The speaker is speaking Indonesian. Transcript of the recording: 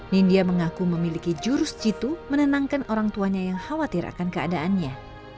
nindya mengaku memiliki jurus jitu menenangkan orang tuanya yang khawatir akan keadaannya